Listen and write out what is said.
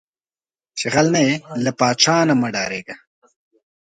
چې غل نۀ یې، لۀ پاچا نه مۀ ډارېږه